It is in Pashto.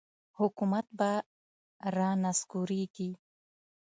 حکومت به را نسکوروي.